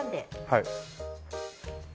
はい。